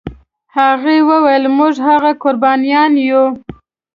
هغه ویل موږ هغه قربانیان یو.